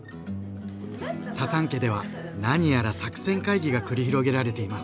タサン家では何やら作戦会議が繰り広げられています。